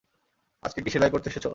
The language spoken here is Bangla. আজকে কী সেলাই করতে এসেছ?